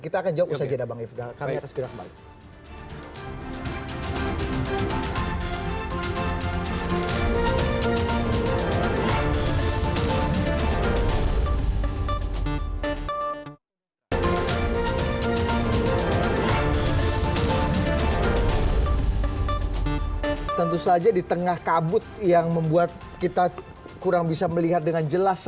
kita akan jawab usaha agenda bang ifda